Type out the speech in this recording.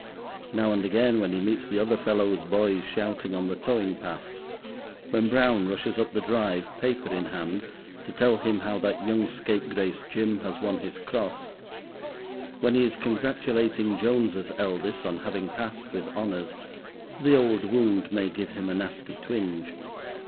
Now and again, when he meets the other fellows' boys shouting on the towing path; when Brown rushes up the drive, paper in hand, to tell him how that young scapegrace Jim has won his Cross; when he is congratulating Jones's eldest on having passed with honours, the old wound may give him a nasty twinge.